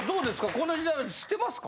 この時代は知ってますか？